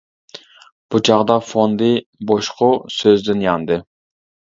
بۇ چاغدا فوندى بوشقۇ سۆزىدىن ياندى.